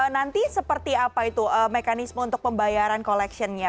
nanti seperti apa itu mekanisme untuk pembayaran collectionnya